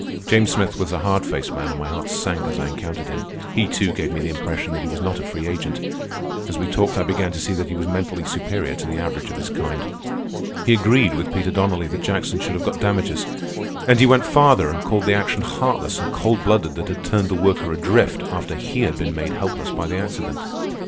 James Smith was a hard faced man, and my heart sank as I encountered him. He, too, gave me the impression that he was not a free agent, and as we talked I began to see that he was mentally superior to the average of his kind. He agreed with Peter Donnelly that Jackson should have got damages, and he went farther and called the action heartless and cold blooded that had turned the worker adrift after he had been made helpless by the accident.